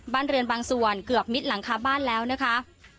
บ้านเรือนบางส่วนเกือบมิดหลังคาบ้านแล้วนะคะ